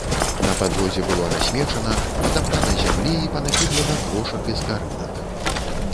На падлозе было насмечана, патаптана зямлі і панакідвана крошак і скарынак.